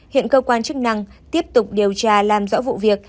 hiện cơ quan chức năng tiếp tục điều tra làm rõ vụ việc